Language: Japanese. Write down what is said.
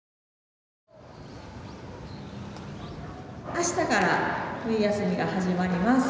明日から冬休みが始まります。